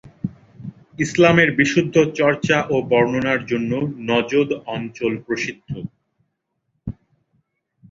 ইসলামের বিশুদ্ধ চর্চা ও বর্ণনার জন্য নজদ অঞ্চল প্রসিদ্ধ।